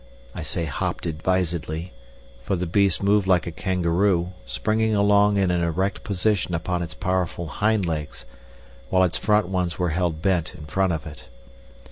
I say "hopped" advisedly, for the beast moved like a kangaroo, springing along in an erect position upon its powerful hind legs, while its front ones were held bent in front of it.